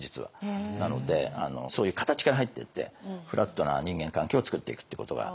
なのでそういう形から入っていってフラットな人間関係をつくっていくっていうことが。